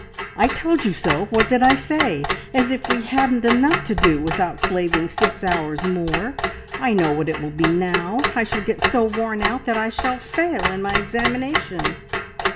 "I told you so! What did I say? As if we hadn't enough to do without slaving six hours more! I know what it will be now I shall get so worn out that I shall fail in my examination."